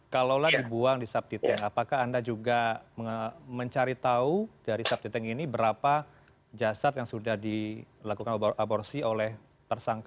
kalau lah dibuang di sub tinteng apakah anda juga mencari tahu dari sub tinteng ini berapa jasad yang sudah dilakukan aborsi oleh tersangka